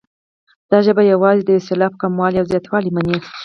دا ژبه یوازې د یو سېلاب کموالی او زیاتوالی مني.